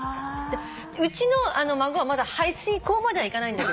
うちの孫はまだ排水溝まではいかないんだけど。